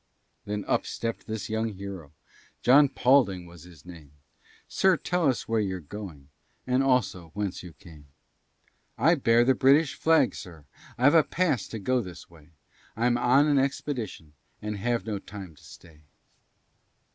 Then up stept this young hero, John Paulding was his name, "Sir, tell us where you're going, And, also, whence you came?" "I bear the British flag, sir; I've a pass to go this way, I'm on an expedition, And have no time to stay."